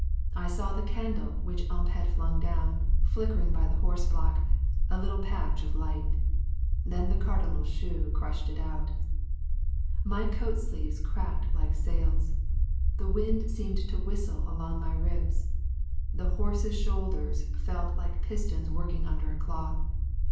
I saw the candle which Ump had flung down, flickering by the horse block, a little patch of light. Then the Cardinal's shoe crushed it out. My coat sleeves cracked like sails. The wind seemed to whistle along my ribs. The horse's shoulders felt like pistons working under a cloth.